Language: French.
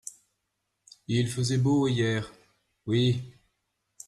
Il faisait beau hier. Oui.